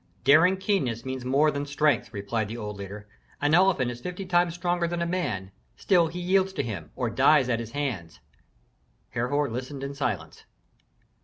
"Daring keenness means more than strength," replied the old leader. "An elephant is fifty times stronger than a man; still he yields to him, or dies at his hands." Herhor listened in silence.